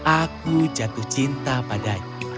aku jatuh cinta padanya